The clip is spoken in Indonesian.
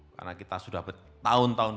karena kita sudah bertahun tahun